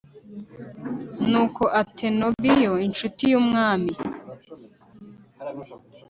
nuko atenobiyo, incuti y'umwami